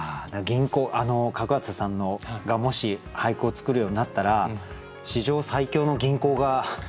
角幡さんがもし俳句を作るようになったら史上最強の吟行が。